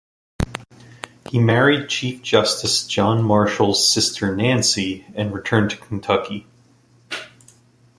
He married Chief Justice John Marshall's sister Nancy, and returned to Kentucky.